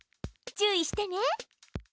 注意してね！